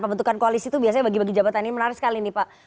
pembentukan koalisi itu biasanya bagi bagi jabatan ini menarik sekali nih pak